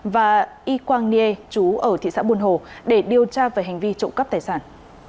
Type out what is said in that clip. và y quang niê chú ở thị xã buôn hồ để điều tra về hành vi trộm cắp tài sản